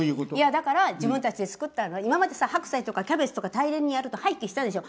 だから自分たちで作った今まで白菜とかキャベツとか大量にあると廃棄したでしょ。